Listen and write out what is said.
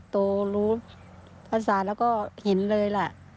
โตรู้ภาษาแล้วก็เห็นเลยแหละ